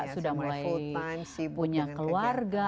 sudah mulai punya keluarga